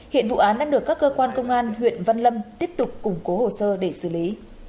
hiện vụ án đang được các cơ quan công an huyện văn lâm tiếp tục củng cố hồ sơ để xử lý